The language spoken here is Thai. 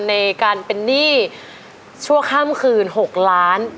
ในการเป็นหนี้ชั่วข้ามคืน๖ล้าน